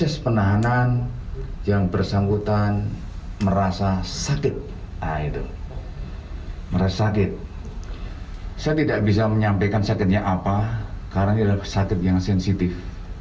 saya tidak bisa menyampaikan sakitnya apa karena ini adalah sakit yang sensitif